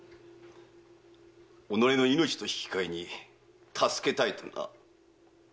己の命と引き換えに助けたいとな。